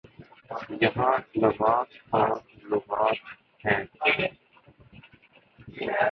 یہاں لغات اور لغات ہے۔